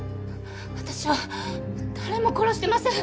私は誰も殺してません！